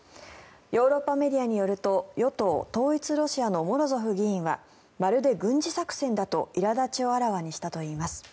ヨーロッパメディアによると与党・統一ロシアのモロゾフ議員はまるで軍事作戦だと、いら立ちをあらわにしたといいます。